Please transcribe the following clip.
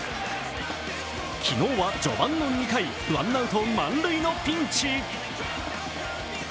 昨日は序盤の２回、ワンアウト満塁のピンチ。